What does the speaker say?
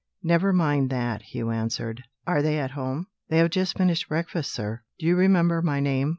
"Never mind that," Hugh answered. "Are they at home?" "They have just finished breakfast, sir." "Do you remember my name?"